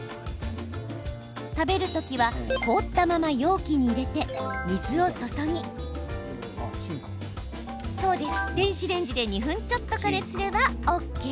食べる時は、凍ったまま容器に入れて水を注ぎ電子レンジで２分ちょっと加熱すればＯＫ。